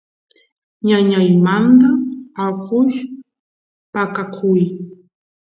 ñañaymanta akush paqakuy